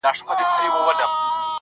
چې داسې څوک دې وي چې ځان ته حق ورکړي